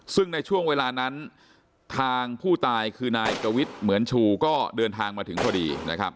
ซึ่งในช่วงเวลานั้นทางผู้ตายคือนายกวิทย์เหมือนชูก็เดินทางมาถึงพอดีนะครับ